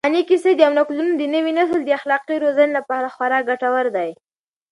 افغاني کيسې او نکلونه د نوي نسل د اخلاقي روزنې لپاره خورا ګټور دي.